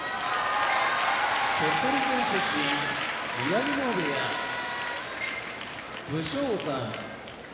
鳥取県出身宮城野部屋武将山